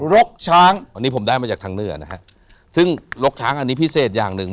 รกช้างอันนี้ผมได้มาจากทางเหนือนะฮะซึ่งรกช้างอันนี้พิเศษอย่างหนึ่ง